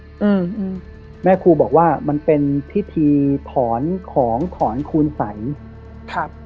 อืมแม่ครูบอกว่ามันเป็นพิธีถอนของถอนคูณใสครับ